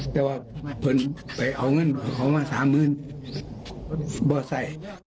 แต่ว่าเพิ่งไปเอาเงินของมาสามหมื่นบ่อใส่